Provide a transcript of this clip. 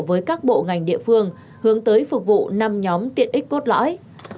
với các bộ ngành địa phương hướng tới phục vụ năm nhóm tiện ích cốt lõi